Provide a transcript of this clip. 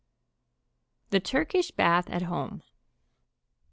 THE TURKISH BATH AT HOME.